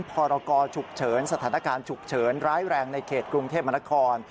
พรกรฉุกเฉินสถานการณ์ฉุกเฉินร้ายแรงในเขตกรุงเทพมนคร